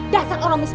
dasar orang bantuan